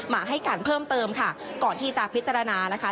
ให้การเพิ่มเติมค่ะก่อนที่จะพิจารณานะคะ